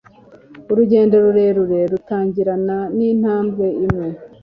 urugendo rurerure rutangirana n'intambwe imwe